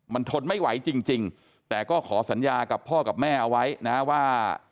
มันทนไม่ไหวจริงแต่ก็ขอสัญญากับพ่อกับแม่เอาไว้นะว่า